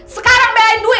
sekarang belain dwi